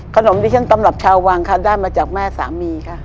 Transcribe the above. ขนมที่ฉันตำรับชาววังค่ะได้มาจากแม่สามีค่ะ